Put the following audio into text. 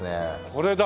これだ。